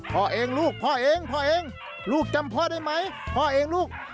พ่อเองลูกพ่อเองพ่อเองลูกจำพ่อได้ไหมพ่อเองลูก